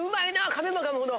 噛めば噛むほど。